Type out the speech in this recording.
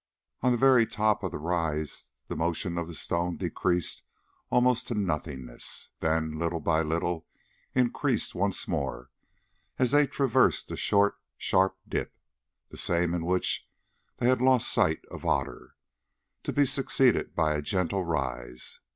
On the very top of the rise the motion of the stone decreased almost to nothingness, then little by little increased once more as they traversed a short sharp dip, the same in which they had lost sight of Otter, to be succeeded by a gentle rise.